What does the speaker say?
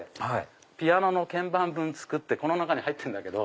ピアノの鍵盤分作ってこの中に入ってんだけど。